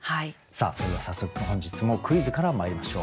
さあそれでは早速本日もクイズからまいりましょう。